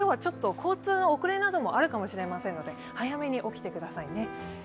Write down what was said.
札幌の皆さん、今日は交通の遅れなどもあるかもしれませんので早めに起きてくださいね。